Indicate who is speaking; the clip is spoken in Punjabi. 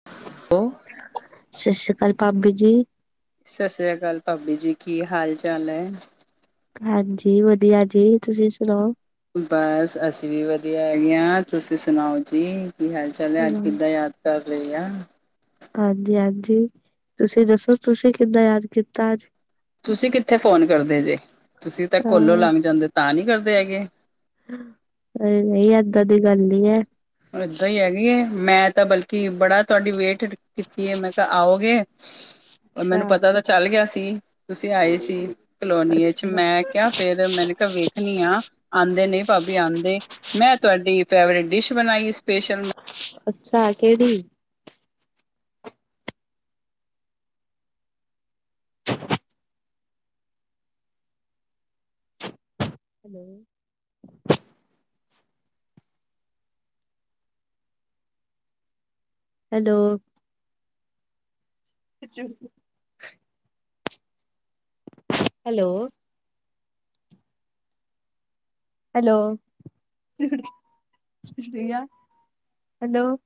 Speaker 1: [unintelligible]
Speaker 2: ਸਤਿ ਸ਼੍ਰੀ ਅਕਾਲ ਭਾਬੀ ਜੀ।
Speaker 1: ਸਤਿ ਸ੍ਰੀ ਅਕਾਲ ਭਾਬੀ ਜੀ ਕੀ ਹਾਲ ਚਾਲ ਹੈ।
Speaker 2: ਹਾਂਜੀ ਵਧੀਆ ਜੀ ਤੁਸੀਂ ਸੁਣਾਓ?
Speaker 1: ਬਸ ਅਸੀਂ ਵੀ ਵਧੀਆ ਹੈਗੇ ਹਾਂ ਤੁਸੀਂ ਸੁਣਾਓ ਜੀ ਕੀ ਹਾਲ ਚਾਲ ਹੈ ਅੱਜ ਕਿੱਦਾਂ ਯਾਦ ਕ ਕਰ ਲਿਆ।
Speaker 2: ਹਾਂਜੀ-ਹਾਂਜੀ ਤੁਸੀਂ ਦੱਸੋ ਤੁਸੀਂ ਕਿੱਦਾਂ ਯਾਦ ਕੀਤਾ ਅੱਜ?
Speaker 1: ਤੁਸੀਂ ਕਿੱਥੇ ਫੋਨ ਕਰਦੇ ਜੇ ਤੁਸੀਂ ਤਾਂ ਕੋਲੋਂ
Speaker 2: ਹਾਂ
Speaker 1: ਲੰਘ ਜਾਂਦੇ ਤਾਂ ਨੀ ਕਰਦੇ ਹੈਗੇ।
Speaker 2: ਨਹੀਂ ਨਹੀਂ ਏਦਾਂ ਦੀ ਗੱਲ ਨੀ ਹੈ।
Speaker 1: ਏਦਾਂ ਈ ਹੈਗੀ ਏ ਮੈਂ ਤਾਂ ਬਲਕਿ ਬੜਾ ਤੁਵਾਡੀ ਵੇਟ ਕੀਤੀ ਹੈ ਮੈਂ ਕਿਹਾ ਆਓਗੇ। ਔਰ
Speaker 2: ਅੱਛਾ।
Speaker 1: ਮੈਨੂੰ ਪਤਾ ਤਾਂ ਚੱਲ ਗਿਆ ਸੀ ਤੁਸੀਂ ਆਏ ਸੀ ਕਲੋਨੀ ਚ
Speaker 2: ਅੱਛਾ,
Speaker 1: ਮੈਂ ਕਿਹਾ ਫੇਰ ਮੈਨੇ ਕਿਹਾ ਵੇਖਣੀ ਆ ਆਂਦੇ ਨੇ ਭਾਬੀ ਆਂਦੇ। ਮੈਂ ਤੁਵਾਡੀ ਫੇਵਰੇਟ ਡਿਸ਼ ਬਣਾਈ ਏ ਸਪੈਸ਼ਲ।
Speaker 2: ਅੱਛਾ ਕੇੜੀ? [inaudible] ਹੈਲੋ। [inaudible] Hello, hello [unintelligible] hello